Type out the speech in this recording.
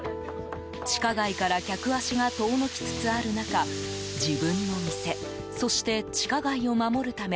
地下街から客足が遠のきつつある中自分の店そして地下街を守るため